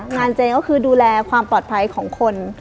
เจก็คือดูแลความปลอดภัยของคน